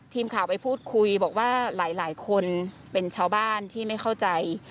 ทีมข่าวไปพูดคุยบอกว่าหลายคนเป็นชาวบ้านที่ไม่เข้าใจ